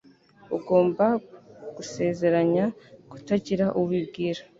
Ugomba gusezeranya kutagira uwo ubwira.